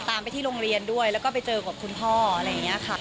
ตามไปที่โรงเรียนด้วยแล้วก็ไปเจอกับคุณพ่ออะไรอย่างนี้ค่ะ